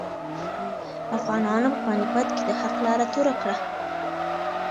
افغانانو په پاني پت کې د حق لاره توره کړه.